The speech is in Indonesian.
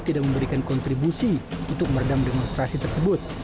tidak memberikan kontribusi untuk meredam demonstrasi tersebut